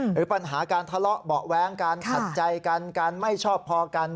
หรือปัญหาการทะเลาะเบาะแว้งการขัดใจกันการไม่ชอบพอกัน